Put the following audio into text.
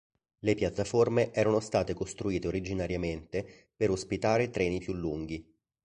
Le piattaforme erano state costruite originariamente per ospitare treni più lunghi.